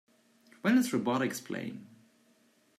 When is Robotix playing?